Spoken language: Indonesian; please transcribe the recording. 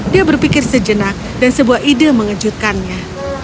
dia berpikir sejenak dan sebuah ide mengejutkannya